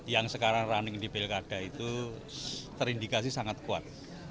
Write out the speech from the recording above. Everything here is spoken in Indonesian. yang sekarang running di pilkada itu terindikasi sangat kuat